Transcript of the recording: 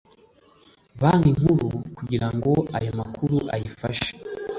banki nkuru kugira ngo ayo makuru ayifashe